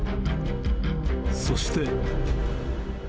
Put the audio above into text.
そして。